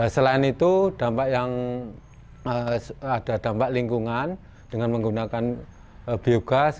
selain itu dampak yang ada dampak lingkungan dengan menggunakan biogas